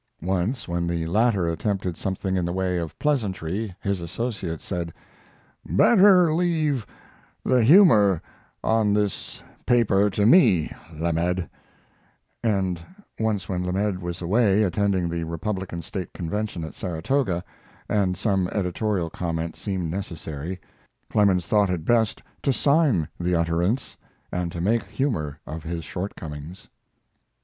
Once when the latter attempted something in the way of pleasantry his associate said: "Better leave the humor on this paper to me, Lamed"; and once when Lamed was away attending the Republican State Convention at Saratoga, and some editorial comment seemed necessary, Clemens thought it best to sign the utterance, and to make humor of his shortcomings.